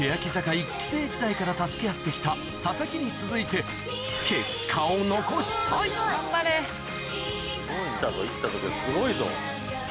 １期生時代から助け合って来た佐々木に続いて行ったぞ行ったぞすごいぞ。